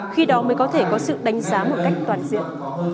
khi đó mới có thể có sự đánh giá một cách toàn diện